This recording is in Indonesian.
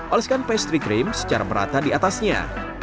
oleskan pastry cream secara merata diatasnya